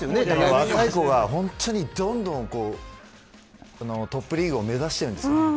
若い子は本当にどんどんトップリーグを目指してるんです。